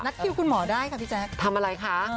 นักคิวคุณหมอได้ค่ะตรีแจ๊คก็ทำอะไรคะ